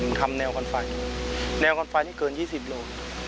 ผมทำแนวคอนไฟแนวคอนไฟที่เกิน๒๐โลก